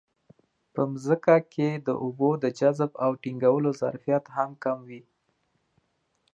په ځمکه کې د اوبو د جذب او ټینګولو ظرفیت هم کم وي.